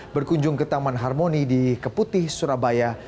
berkunjung ke taman harmoni di keputih surabaya